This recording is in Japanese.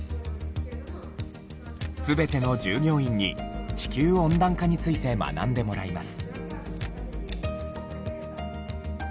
全ての従業員に地球温暖化について学んでもらいます。